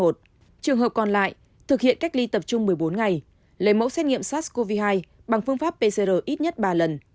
trường hợp còn lại thực hiện cách ly tập trung một mươi bốn ngày lấy mẫu xét nghiệm sars cov hai bằng phương pháp pcr ít nhất ba lần